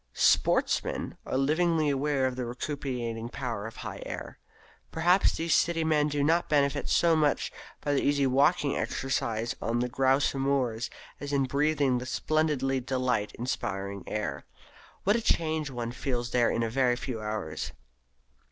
Sportsmen are livingly aware of the recuperative power of the Highland air. Perhaps these city men do not benefit so much by the easy walking exercise on the grouse moors as in breathing the splendidly delight inspiring air. What a change one feels there in a very few hours!